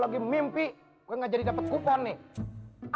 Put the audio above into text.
lagi mimpi gak jadi dapat kupon nih